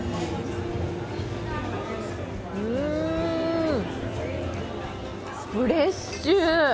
うーん、フレッシュ。